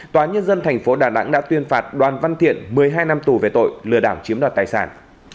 tòa nhân dân tp đà nẵng đã tuyên phạt đoàn văn thiện một mươi hai năm tù về tội lừa đảo chiếm đoạt tài sản